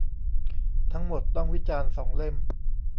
ทั้งหมดต้องวิจารณ์สองเล่ม